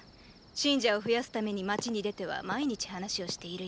信者を増やすために街に出ては毎日話をしているよ。